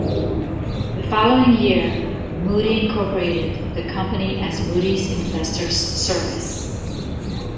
The following year, Moody incorporated the company as Moody's Investors Service.